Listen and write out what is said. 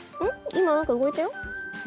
今何か動いたよ。